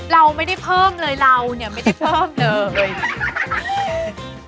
เราไม่ได้เพิ่มเลยเราเนี่ยไม่ได้เพิ่มเลย